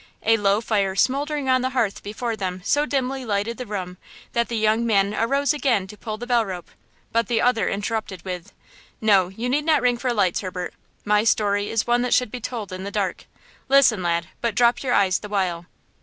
A low fire smoldering on the hearth before them so dimly lighted the room that the young man arose again to pull the bell rope; but the other interrupted with: "No, you need not ring for lights, Herbert! my story is one that should be told in the dark. Listen, lad; but drop your eyes the while."